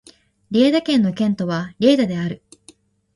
リェイダ県の県都はリェイダである